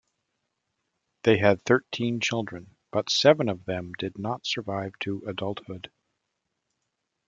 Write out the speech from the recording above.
They had thirteen children, but seven of them did not survive to adulthood.